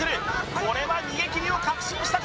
これは逃げ切りを確信したか？